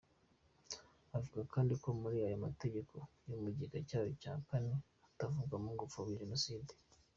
Avuga kandi ko muri ayo mategeko mu gika cyayo cya kane, hatavugwamo gupfobya Jenoside.